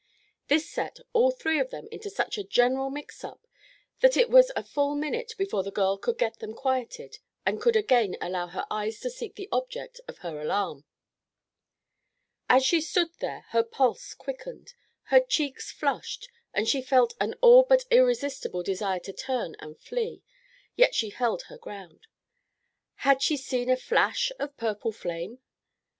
This set all three of them into such a general mix up that it was a full minute before the girl could get them quieted and could again allow her eyes to seek the object of her alarm. As she stood there her pulse quickened, her cheeks flushed and she felt an all but irresistible desire to turn and flee. Yet she held her ground. Had she seen a flash of purple flame?